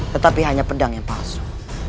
tetapi hanya pedang yang palsu